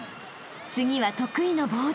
［次は得意のボード］